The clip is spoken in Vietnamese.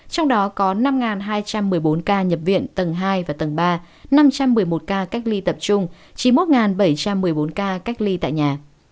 trong đó có năm hai trăm một mươi bốn ca nhập viện tầng hai và tầng ba năm trăm một mươi một ca cách ly tập trung chín mươi một bảy trăm một mươi bốn ca cách ly tại nhà